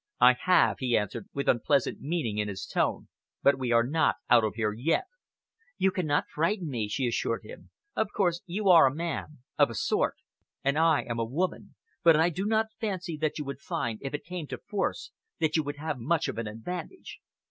"I have," he answered, with unpleasant meaning in his tone, "but we are not out of here yet." "You cannot frighten me," she assured him. "Of course, you are a man of a sort and I am a woman, but I do not fancy that you would find, if it came to force, that you would have much of an advantage.